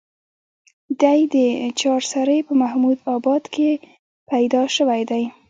دے د چارسرې پۀ محمود اباد کلي کښې پېدا شوے دے